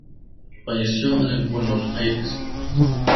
Falleció el en Buenos Aires.